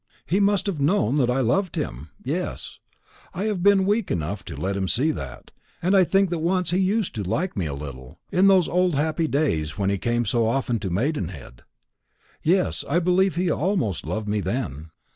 He must have known that I loved him yes, I have been weak enough to let him see that and I think that once he used to like me a little in those old happy days when he came so often to Maidenhead. Yes, I believe he almost loved me then."